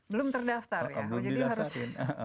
belum terdaftar ya